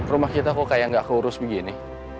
rumah kita kok kayak gak keurus begini